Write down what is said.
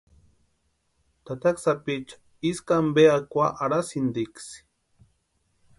Tataka sápiicha Ísku ampe akwa arhasïntiksï.